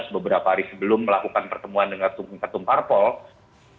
beberapa hari sebelum melakukan pertemuan dengan ketua umum partai